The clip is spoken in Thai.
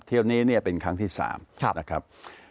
เที่ยวนี้เนี่ยเป็นครั้งที่๓นะครับ